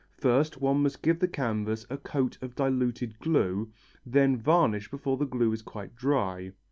First one must give the canvas a coat of diluted glue, then varnish before the glue is quite dry.